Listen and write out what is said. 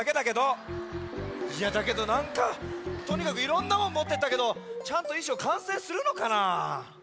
いやだけどなんかとにかくいろんなもんもってったけどちゃんといしょうかんせいするのかな？